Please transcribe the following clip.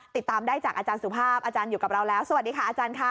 ติดตามได้จากอาจารย์สุภาพอาจารย์อยู่กับเราแล้วสวัสดีค่ะอาจารย์ค่ะ